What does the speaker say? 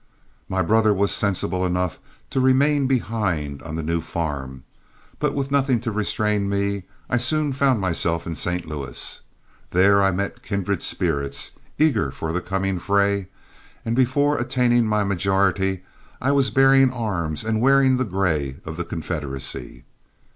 My brother was sensible enough to remain behind on the new farm; but with nothing to restrain me I soon found myself in St. Louis. There I met kindred spirits, eager for the coming fray, and before attaining my majority I was bearing arms and wearing the gray of the Confederacy.